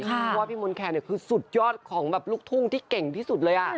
เพราะว่าพี่มนต์แคนคือสุดยอดของแบบลูกทุ่งที่เก่งที่สุดเลย